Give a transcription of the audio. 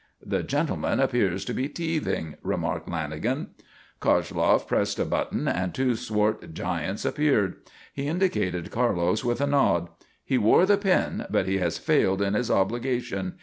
"The gentleman appears to be teething," remarked Lanagan. Koshloff pressed a button and two swart giants appeared. He indicated Carlos with a nod. "He wore the pin, but he has failed in his obligation.